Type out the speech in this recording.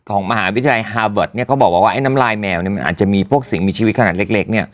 ของมหาวิทยาลัยฮาร์เบิร์ดก็บอกว่าไอหนำลายแมวมันอาจจะมีพวกสิ่งมีชีวิตขนาดเล็ก